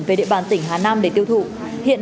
về địa bàn tỉnh hà nam để tiêu thụ hiện